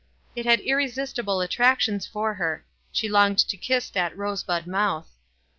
It had irresistible attractions for her ; she longed to kiss that rosebud mouth.